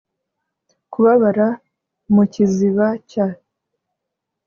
kubabara mu kiziba cy